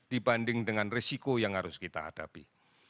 dibanding dengan risiko yang harus kita hadapi